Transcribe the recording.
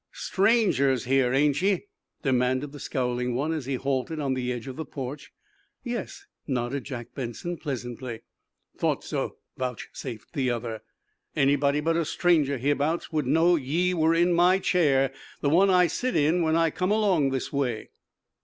"Strangers here, ain't ye?" demanded the scowling one, as he halted on the edge of the porch. "Yes," nodded Jack Benson, pleasantly. "Thought so," vouchsafed the other. "Any body but a stranger hereabouts would know ye were in my chair the one I sit in when I come along this way."